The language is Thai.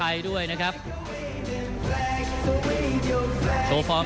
ท่านแรกครับจันทรุ่ม